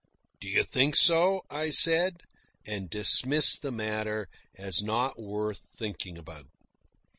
"Do you think so?" I said, and dismissed the matter as not worth thinking about.